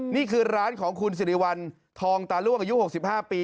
นี่คือร้านของคุณสิริวัลทองตาล่วงอายุ๖๕ปี